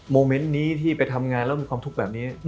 เมนต์นี้ที่ไปทำงานแล้วมีความทุกข์แบบนี้